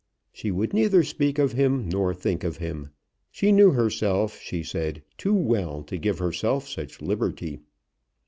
She would neither speak of him nor think of him. She knew herself, she said, too well to give herself such liberty.